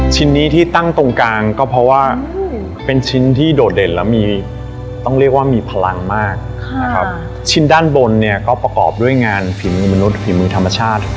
ชิ้นนี้ที่ตั้งตรงกลางก็เพราะว่าเป็นชิ้นที่โดดเด่นแล้วมีต้องเรียกว่ามีพลังมากนะครับชิ้นด้านบนเนี่ยก็ประกอบด้วยงานฝีมือมนุษย์ฝีมือธรรมชาติ